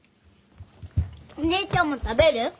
お姉ちゃんも食べる？